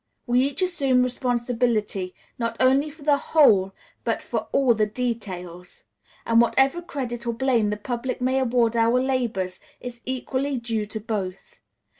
We each assume responsibility, not only for the whole, but for all the details, and whatever credit or blame the public may award our labors is equally due to both.